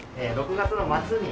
６月の末に。